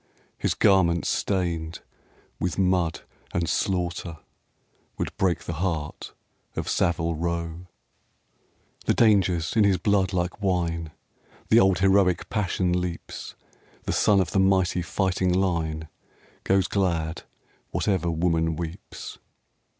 His garments stained with mud and slaughter Would break the heart of Savile Row. THE GOLDEN BOY 15 The danger's in his blood like wine, The old heroic passion leaps ; The son of the mighty fighting line Goes glad whatever woman weeps.